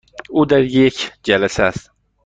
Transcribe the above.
او در یک جلسه است.